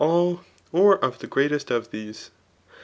all^ or of the greatest of these.